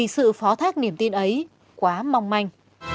sự phó thác niềm tin ấy quá mong manh